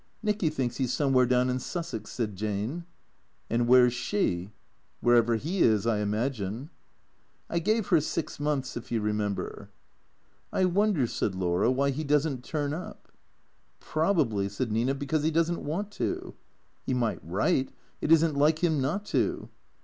"Nicky thinks he's somewhere down in Sussex/' said Jane. " And where 's she ?" "Wlierever he is, I imagine." " I gave her six months, if you remember." " I wonder," said Laura, " why he does n't turn up." " Probably," said Nina, " because he does n't want to." " He might write. It is n't like him not to."